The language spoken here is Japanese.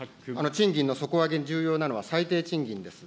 賃金の底上げに重要なのは、最低賃金です。